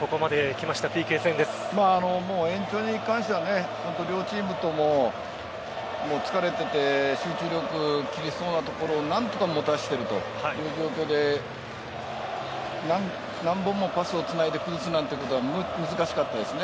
延長に関しては両チームとも疲れていて集中力切れそうなところを何とか持たせているという状況で何本もパスをつないで崩すなんてことは難しかったですね。